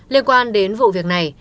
liên quan đến vụ việc này